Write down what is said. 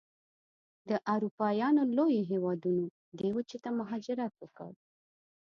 د اروپایانو لویو هېوادونو دې وچې ته مهاجرت وکړ.